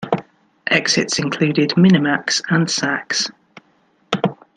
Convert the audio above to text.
Exits included Minimax and Saks.